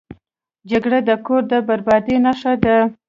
جګړه د کور د بربادۍ نښه ده